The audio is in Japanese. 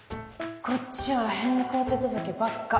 こっちは変更手続きばっか